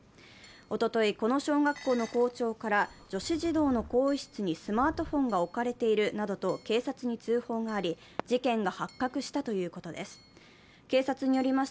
おととい、この小学校の校長から、女子児童の更衣室にスマートフォンが置かれているなどと警察に通報があり、事件が発覚したということです。